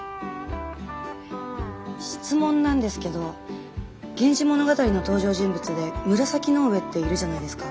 質問なんですけど「源氏物語」の登場人物で紫の上っているじゃないですか。